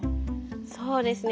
そうですね。